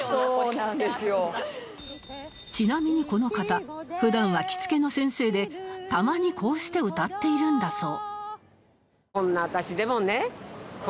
ちなみにこの方普段は着付けの先生でたまにこうして歌っているんだそう